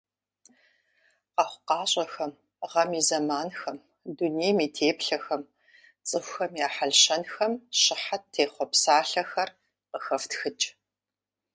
Къэхъукъащӏэхэм, гъэм и зэманхэм, дунейм и теплъэхэм, цӏыхухэм я хьэлщэнхэм щыхьэт техъуэ псалъэхэр къыхэфтхыкӏ.